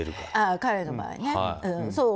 彼の場合ね。